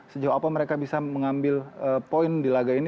sejauh apa mereka bisa mengambil poin di laga ini